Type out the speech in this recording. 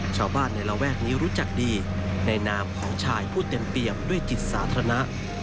ชาวบ้านในระแวกนี้รู้จักดีในนามของชายผู้เต็มเปี่ยมด้วยจิตสาธารณะ